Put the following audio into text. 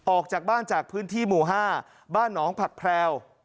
ออกจากบ้านจากพื้นที่หมู่๕บ้านหนองผักแพรว